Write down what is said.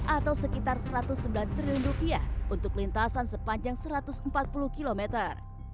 atau sekitar satu ratus sembilan triliun rupiah untuk lintasan sepanjang satu ratus empat puluh kilometer